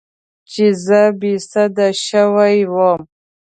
چې زه بې سده شوې وم.